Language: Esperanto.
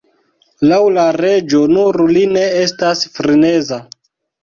Laŭ la reĝo, nur li ne estas freneza.